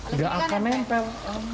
enggak akan nempel